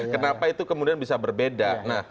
kenapa itu kemudian bisa berbeda